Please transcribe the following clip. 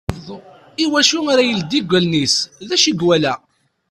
I wacu ara ileddi deg wallen-is? D ucu i yewala?